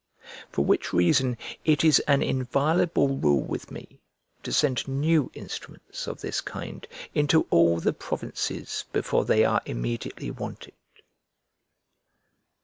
For which reason it is an inviolable rule with me to send new instruments of this kind into all the provinces before they are immediately wanted.